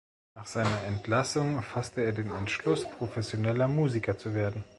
Nach seiner Entlassung fasste er den Entschluss, professioneller Musiker zu werden.